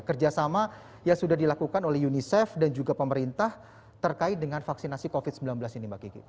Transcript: kerjasama yang sudah dilakukan oleh unicef dan juga pemerintah terkait dengan vaksinasi covid sembilan belas ini mbak kiki